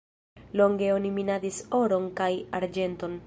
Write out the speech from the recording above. Longe oni minadis oron kaj arĝenton.